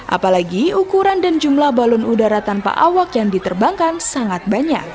apalagi ukuran dan jumlah balon udara tanpa awak yang diterbangkan sangat banyak